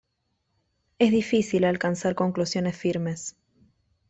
Es difícil alcanzar conclusiones firmes.